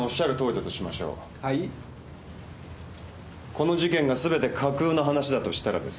この事件がすべて架空の話だとしたらです。